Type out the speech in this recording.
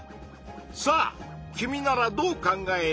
さあ君ならどう考える？